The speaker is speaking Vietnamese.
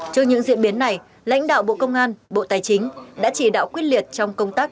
trước những diễn biến này lãnh đạo bộ công an bộ tài chính đã chỉ đạo quyết liệt trong công tác